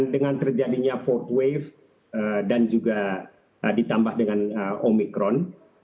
dengan terjadinya fourth wave dan juga ditambah dengan omicron